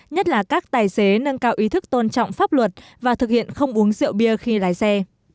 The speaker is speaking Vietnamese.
nhất là các tài xế nâng cao ý thức tôn trọng pháp luật và thực hiện không uống rượu bia khi lái xe